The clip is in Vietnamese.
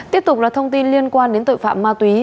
tiếp tục là thông tin liên quan đến tội phạm ma túy